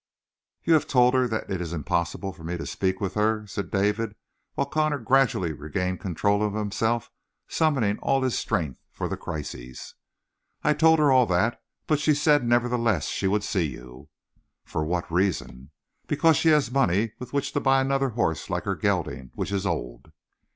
"You have told her that it is impossible for me to speak with her?" said David, while Connor gradually regained control of himself, summoning all his strength for the crisis. "I told her all that, but she said nevertheless she would see you." "For what reason?" "Because she has money with which to buy another horse like her gelding, which is old."